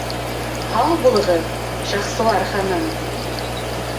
— Һау булығыҙ, Шахсуар ханым...